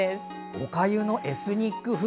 おかゆのエスニック風。